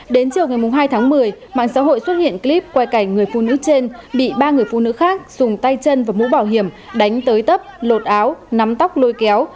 đến chiều ngày hai tháng một mươi mạng xã hội xuất hiện clip quay cảnh người phụ nữ trên bị ba người phụ nữ khác dùng tay chân và mũ bảo hiểm đánh tới tấp lột áo nắm tóc lôi kéo